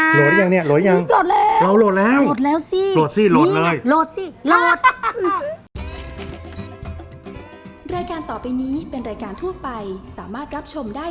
โหลดยังเนี่ยโหลดยังเราโหลดแล้วโหลดแล้วโหลดแล้วสิโหลดเลยนี่โหลดสิโหลด